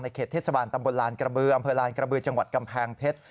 เขตเทศบาลตำบลลานกระบืออำเภอลานกระบือจังหวัดกำแพงเพชร